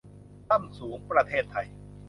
ล่ำสูง ประเทศไทย